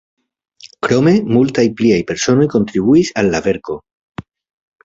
Krome multaj pliaj personoj kontribuis al la verko.